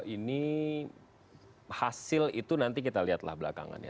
ini hasil itu nanti kita lihat lah belakangannya